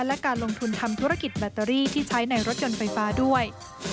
และการลงทุนทำธุรกิจแบตเตอรี่ที่ใช้ในรถยนต์ไฟฟ้าด้วย